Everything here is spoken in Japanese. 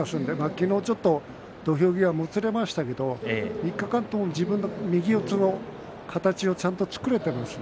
昨日はちょっと土俵際もつれましたが３日間とも自分の右四つの形をきちんと作れています。